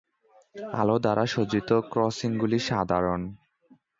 আলো দ্বারা সজ্জিত ক্রসিংগুলি সাধারণ।